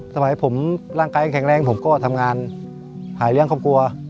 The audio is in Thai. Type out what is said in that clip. สมัยผมร่างกายแข็งแรงผมก็ทำงานหาเลี้ยงครอบครัว